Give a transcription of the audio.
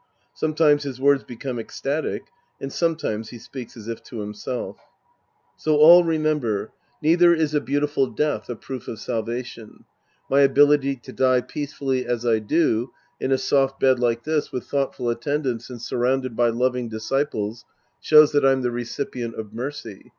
Some times his words become esctatic, and sometimes he speaks as if to himself.) So all remember ; neither is Sc. IV The Priest and His Disciples 239 a beautiful death a proof of salvation. My ability to die peacefully as I do, in a soft bed like this, with thoughtful attendance and surrounded by loving dis ciples, shows that I'm the recipient of mercy.